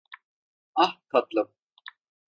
Ah, tatlım.